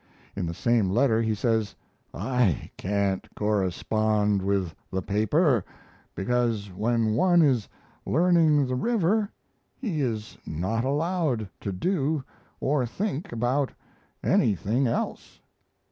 In the same letter he says: "I can't correspond with the paper, because when one is learning the river he is not allowed to do or think about anything else."